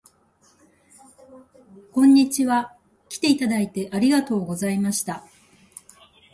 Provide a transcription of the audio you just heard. こんにちは。きていただいてありがとうございました